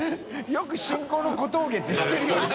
よく進行の小峠って知ってるよな。